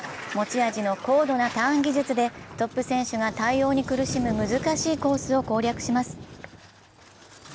持ち味の高度なターン技術でトップ選手が対応に苦しむ難しいコースを攻略します。